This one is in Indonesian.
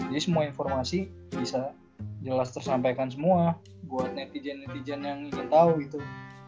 jadi semua informasi bisa jelas tersampaikan semua buat netizen netizen yang ingin tau gitu